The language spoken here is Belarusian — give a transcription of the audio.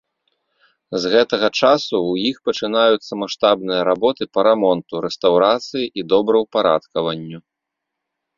З гэтага часу ў іх пачынаюцца маштабныя работы па рамонту, рэстаўрацыі і добраўпарадкаванню.